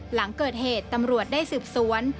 หลังเกิดเหตุตำรวจได้สืบสวน